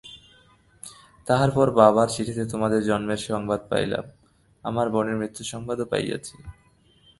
তাহার পর বাবার চিঠিতে তোমাদের জন্মের সংবাদ পাইলাম, আমার বোনের মৃত্যুসংবাদও পাইয়াছি।